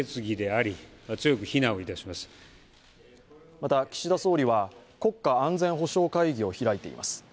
また岸田総理は、国家安全保障会議を開いています。